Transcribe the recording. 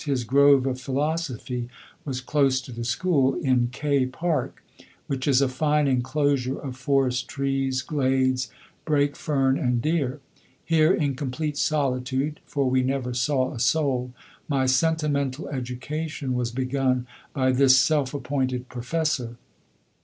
His grove of philosophy was close to the school, in K Park, which is a fine enclosure of forest trees, glades, brake fern and deer. Here, in complete solitude, for we never saw a soul, my sentimental education was begun by this self appointed professor.